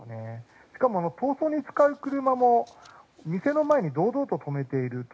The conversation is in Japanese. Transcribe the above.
しかも、逃走に使う車も店の前に堂々と止めている。